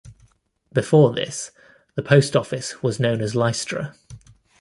Before this, the post office was known as "Lystra".